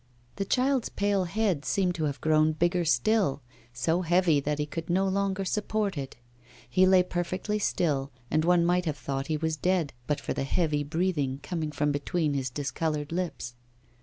The child's pale head seemed to have grown bigger still, so heavy that he could no longer support it. He lay perfectly still, and one might have thought he was dead, but for the heavy breathing coming from between his discoloured lips.